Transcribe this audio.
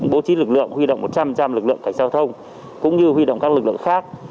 bố trí lực lượng huy động một trăm linh lực lượng cảnh giao thông cũng như huy động các lực lượng khác